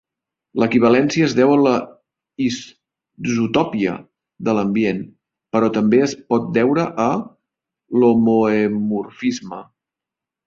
L'equivalència es deu a l'isotòpia de l'ambient, però també es pot deure a l'homeomorfisme.